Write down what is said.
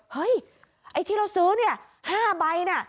เฮ้ยไอ้ที่เราซื้อเนี่ย๕ใบน่ะ